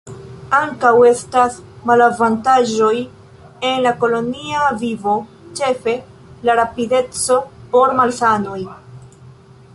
Ankaŭ estas malavantaĝoj en la kolonia vivo, ĉefe la rapideco por malsanoj.